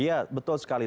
iya betul sekali